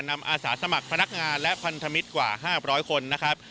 อาสาสมัครพนักงานและพันธมิตรกว่า๕๐๐คนนะครับ